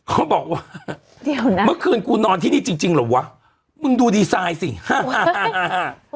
เขาบอกว่าเมื่อคืนกูนอนที่นี่จริงจริงหรอวะมึงดูดีไซน์สิฮะฮะฮะฮะฮะ